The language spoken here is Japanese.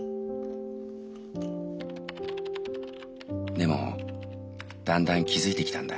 「でもだんだん気付いてきたんだ。